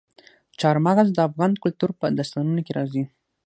چار مغز د افغان کلتور په داستانونو کې راځي.